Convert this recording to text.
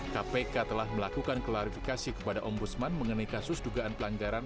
kpk telah melakukan klarifikasi kepada ombudsman mengenai kasus dugaan pelanggaran